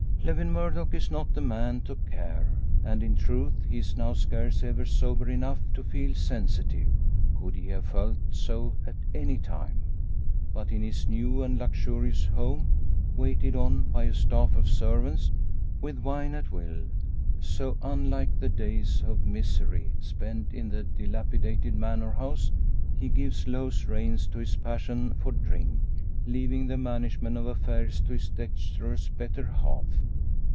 Lewin Murdock is not the man to care; and, in truth, he is now scarce ever sober enough to feel sensitive, could he have felt so at any time. But in his new and luxurious home, waited on by a staff of servants, with wine at will, so unlike the days of misery spent in the dilapidated manor house, he gives loose rein to his passion for drink; leaving the management of affairs to his dexterous better half.